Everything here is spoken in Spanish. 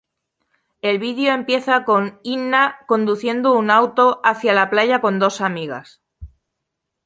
El video empieza con Inna conduciendo un auto hacia la playa con dos amigas.